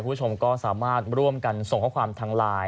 คุณผู้ชมก็สามารถร่วมกันส่งข้อความทางไลน์